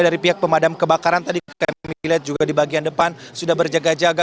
dari pihak pemadam kebakaran tadi kami lihat juga di bagian depan sudah berjaga jaga